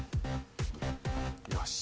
よし。